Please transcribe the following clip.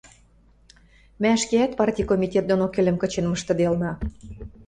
Мӓ ӹшкеӓт парти комитет доно кӹлӹм кычен мыштыделна.